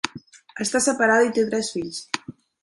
Està separada i té tres fills.